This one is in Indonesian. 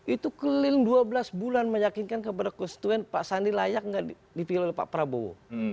itu keliling dua belas bulan meyakinkan kepada konstituen pak sandi layak nggak dipilih oleh pak prabowo